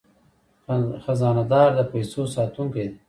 خزانه دار د پیسو ساتونکی دی